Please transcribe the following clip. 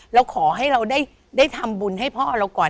เราขอให้เราได้ทำบุญให้พ่อเราก่อน